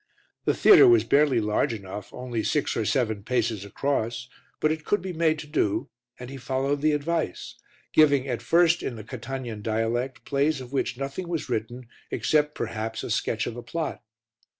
The theatre was barely large enough, only six or seven paces across, but it could be made to do, and he followed the advice, giving, at first, in the Catanian dialect, plays of which nothing was written except, perhaps, a sketch of the plot.